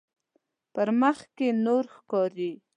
په مخ کې نور ښکاري.